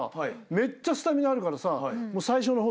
めっちゃスタミナあるからさ最初の方